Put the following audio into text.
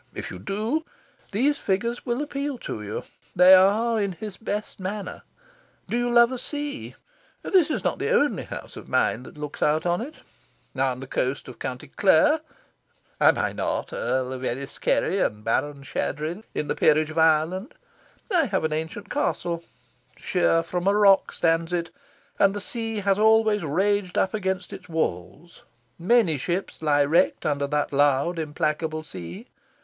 If you do, these figures will appeal to you: they are in his best manner. Do you love the sea? This is not the only house of mine that looks out on it. On the coast of County Clare am I not Earl of Enniskerry and Baron Shandrin in the Peerage of Ireland? I have an ancient castle. Sheer from a rock stands it, and the sea has always raged up against its walls. Many ships lie wrecked under that loud implacable sea.